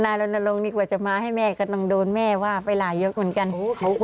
ธนาลงนักโลงนิกว่าจะมาให้แม่ก็ต้องโดนแม่ว่าไปหลายยกเหมือนกัน